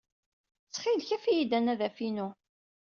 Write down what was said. Ttxil-k, af-iyi-d anafad-inu.